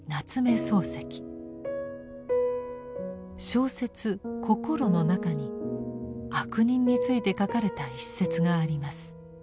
小説「こころ」の中に「悪人」について書かれた一節があります。